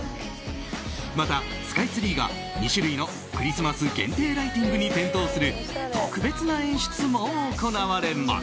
また、スカイツリーが２種類のクリスマス限定ライティングに点灯する特別な演出も行われます。